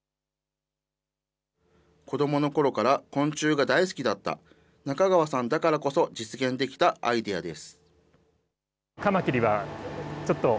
子どものころから昆虫が大好きだった中川さんだからこそ実現できたアイデアです。